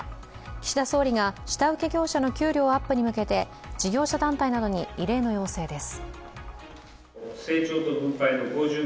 岸田総理が下請け業者の給料アップに向けて事業者団体に異例の要請です。